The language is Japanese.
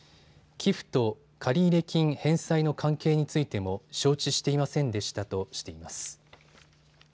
寄付と借入金返済の関係についても承知していませんでしたとしています。